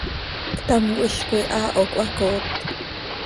¡Ctamcö hizcoi haaho cöhacooot!